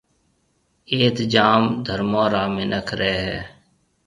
ايٿ جام ڌرمون را منک رَي ھيََََ